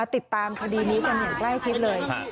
ติดตามคดีนี้กันอย่างใกล้ชิดเลย